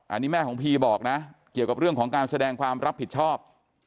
อันนี้แม่ของพีบอกนะเกี่ยวกับเรื่องของการแสดงความรับผิดชอบ